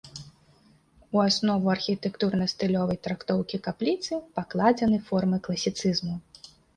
У аснову архітэктурна-стылёвай трактоўкі капліцы пакладзены формы класіцызму.